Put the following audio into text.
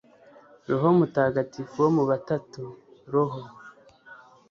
roho mutagatifu wo mu batatu, roho